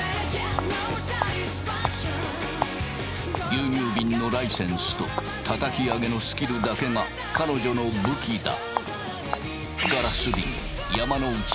牛乳びんのライセンスとたたき上げのスキルだけが彼女の武器だ。